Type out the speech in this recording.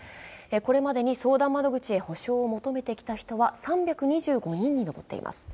これまでに相談窓口へ補償を求めてきた人は３２５人にのぼっています。